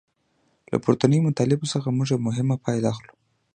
له پورتنیو مطالبو څخه موږ یوه مهمه پایله اخلو.